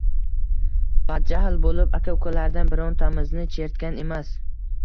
Badjahl bo‘lib aka-ukalardan birontamizni chertgan emas.